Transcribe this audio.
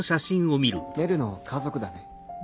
メルの家族だね。